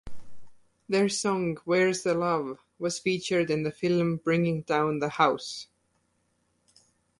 Their song "Where's The Love" was featured in the film "Bringing Down the House".